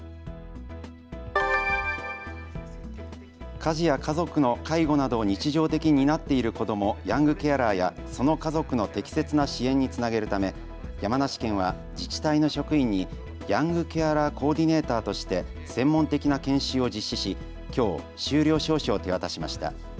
家事や家族の介護などを日常的に担っている子ども、ヤングケアラーやその家族の適切な支援につなげるため山梨県は自治体の職員にヤングケアラー・コーディネーターとして専門的な研修を実施し、きょう修了証書を手渡しました。